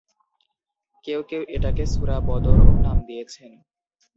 কেউ কেউ এটাকে সূরা ‘বদর’ও নাম দিয়েছেন।